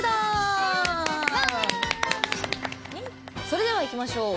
それではいきましょう。